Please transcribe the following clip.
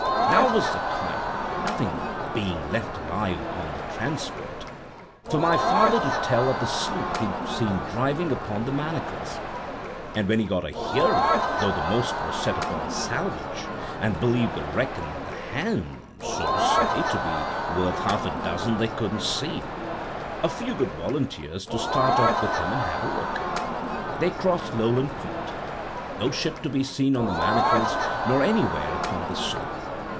"Now was the time—nothing being left alive upon the transport—for my father to tell of the sloop he'd seen driving upon the Manacles. And when he got a hearing, though the most were set upon salvage, and believed a wreck in the hand, so to say, to be worth half a dozen they couldn't see, a good few volunteered to start off with him and have a look. They crossed Lowland Point; no ship to be seen on the Manacles nor anywhere upon the sea.